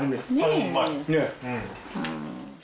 ねえ。